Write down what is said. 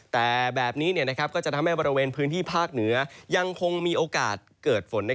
แต่แบบนี้ก็จะทำให้บริเวณพื้นที่ภาคเหนือยังคงมีโอกาสเกิดฝน